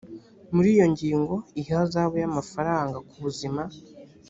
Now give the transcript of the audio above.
muri iyi ngingo ihazabu y amafaranga kubuzima